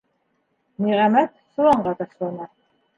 Ниғәмәт соланға ташлана.